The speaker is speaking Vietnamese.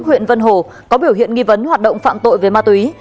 huyện vân hồ có biểu hiện nghi vấn hoạt động phạm tội về ma túy